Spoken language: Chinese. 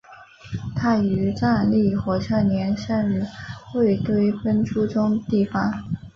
他于藏历火马年生于卫堆奔珠宗地方。